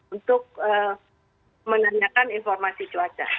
untuk menanyakan informasi cuaca